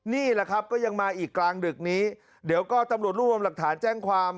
นี่แหละครับก็ยังมาอีกกลางดึกนี้เดี๋ยวก็ตำรวจรวบรวมหลักฐานแจ้งความ